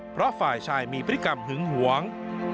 เพราะฝ่ายชายมีพฤติกรรมหึงหวง